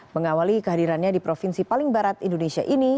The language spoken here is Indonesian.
mengawali kehadirannya di provinsi paling barat indonesia ini